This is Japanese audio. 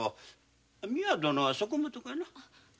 美和殿はそこもとかな？